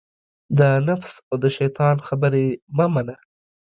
د نفس او دشیطان خبرې مه منه